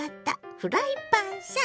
フライパンさん。